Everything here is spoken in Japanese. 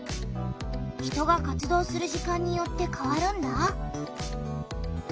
人が活動する時間によってかわるんだ。